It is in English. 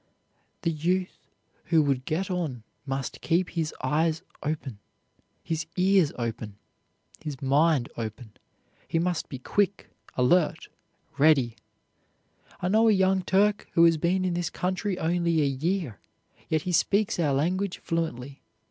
The youth who would get on must keep his eyes open, his ears open, his mind open. He must be quick, alert, ready. I know a young Turk, who has been in this country only a year, yet he speaks our language fluently.